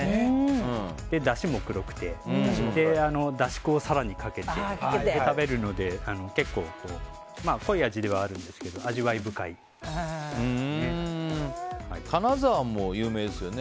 だしも黒くてだし粉を更にかけて食べるので結構、濃い味ではあるんですが味わい深いですね。